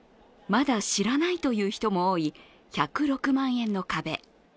まだ知らないという人も多い１０６万円の壁。